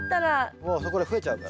もうそこで増えちゃうから。